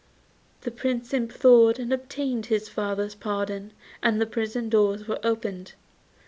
The Prince implored and obtained his father's pardon, and the prison doors were opened.